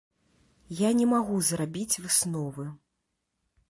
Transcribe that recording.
Я не магу зрабіць высновы.